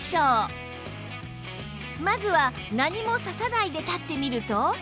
まずは何も差さないで立ってみると